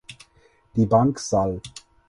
Die Bank Sal.